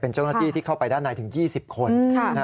เจ้าหน้าที่ที่เข้าไปด้านในถึง๒๐คน